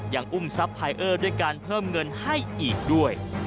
ยังอุ้มทรัพย์พายเออร์ด้วยการเพิ่มเงินให้อีกด้วย